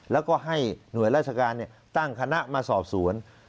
แล้วก็ให้หน่วยราชการตั้งคณะมาสอบสวน